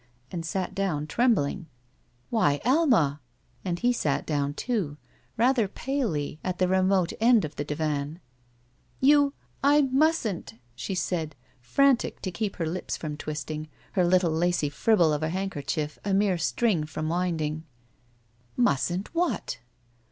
and sat down trembling. "Why, Alma!" And he sat down, too, rather palely, at the remote end of the divan. "You — I — ^mustn't!" she said, frantic to keep her lips from twisting, her little lacy fribble of a handkerchief a mere string from winding. "Mustn't what?"